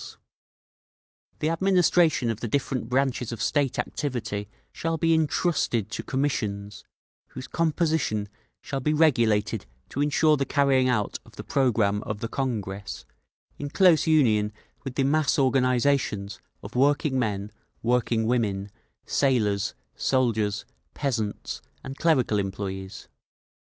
V, Sect. 5) The administration of the different branches of state activity shall be intrusted to commissions, whose composition shall be regulated to ensure the carrying out of the programme of the Congress, in close union with the mass organisations of working men, working women, sailors, soldiers, peasants and clerical employees.